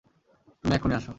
তুমি এক্ষুনি আসো।